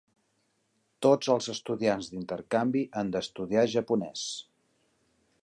Tots els estudiants d'intercanvi han d'estudiar japonès.